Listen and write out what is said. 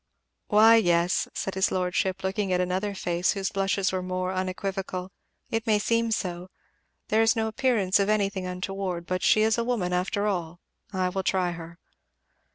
"Why yes " said his lordship, looking at another face whose blushes were more unequivocal, "it may seem so there is no appearance of anything untoward, but she is a woman after all. I will try her.